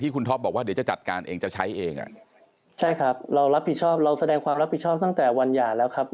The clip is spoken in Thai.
คุณท็อปบอกว่าเดี๋ยวจะจัดการเองจะใช้เองอ่ะใช่ครับเรารับผิดชอบเราแสดงความรับผิดชอบตั้งแต่วันหย่าแล้วครับ